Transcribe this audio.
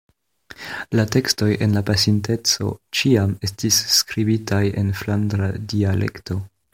La tekstoj en la pasinteco ĉiam estis skribitaj en flandra dialekto.